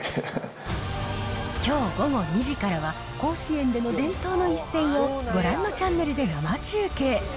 きょう午後２時からは、甲子園での伝統の一戦を、ご覧のチャンネルで生中継。